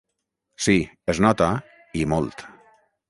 Sí, es nota, i molt.